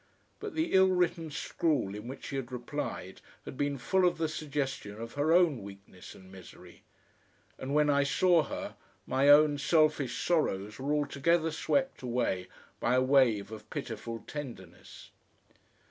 But the ill written scrawl in which she had replied had been full of the suggestion of her own weakness and misery. And when I saw her, my own selfish sorrows were altogether swept away by a wave of pitiful tenderness.